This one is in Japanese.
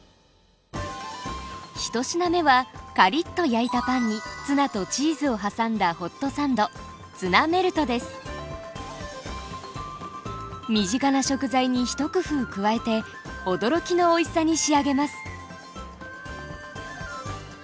１品目はカリッと焼いたパンにツナとチーズを挟んだホットサンド身近な食材に一工夫加えて驚きのおいしさに仕上げます！